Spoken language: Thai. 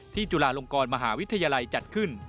จุฬาลงกรมหาวิทยาลัยจัดขึ้น